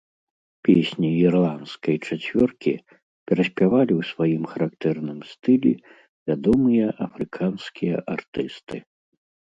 Песні ірландскай чацвёркі пераспявалі ў сваім характэрным стылі вядомыя афрыканскія артысты.